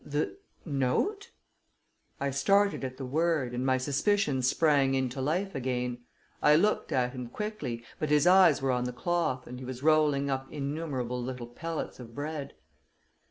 "The note?" I started at the word, and my suspicions sprang into life again. I looked at him quickly, but his eyes were on the cloth, and he was rolling up innumerable little pellets of bread.